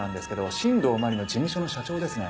新道真理の事務所の社長ですね。